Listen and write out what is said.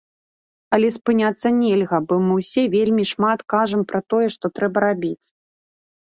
Але спыняцца нельга, бо мы ўсе вельмі шмат кажам пра тое, што трэба рабіць.